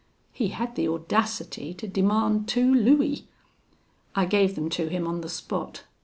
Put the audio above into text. He had the audacity to demand two louis. I gave them to him on the spot.